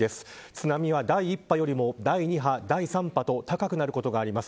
津波は第１波よりも第２波、第３波と高くなることがあります。